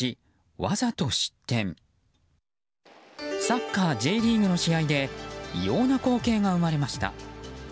サッカー、Ｊリーグの試合で異様な光景が生まれました。